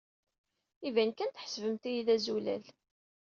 Iban kan tḥesbemt-iyi d azulal.